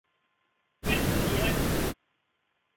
Wissen Sie es?